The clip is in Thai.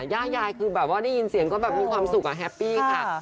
ย่ายได้ยินเสียงก็แบบใช้ความสุขแฮปปี้ค่ะ